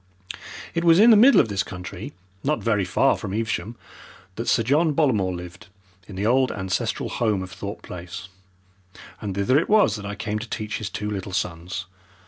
It was in the middle of this country, not very far from Evesham, that Sir John Bollamore lived in the old ancestral home of Thorpe Place, and thither it was that I came to teach his two little sons.